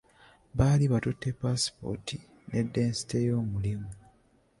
Baali batutte ppaasipooti ne ddensite y'omulimu.